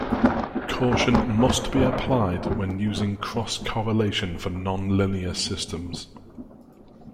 Caution must be applied when using cross correlation for nonlinear systems.